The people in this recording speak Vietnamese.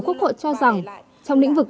quốc hội cho rằng trong lĩnh vực